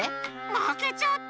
まけちゃった。